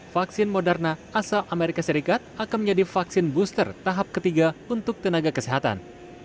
vaksin moderna asal amerika serikat akan menjadi vaksin booster tahap ketiga untuk tenaga kesehatan